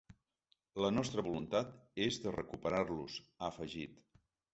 La nostra voluntat és de recuperar-los, ha afegit.